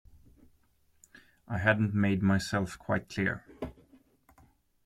I hadn't made myself quite clear.